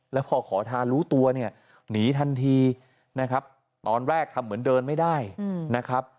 แล้วพอขอทานรู้ตัวเนี่ยหนีทันทีนะครับตอนแรกทำเหมือนเดินไม่ได้นะครับ